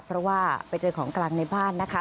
เพราะว่าไปเจอของกลางในบ้านนะคะ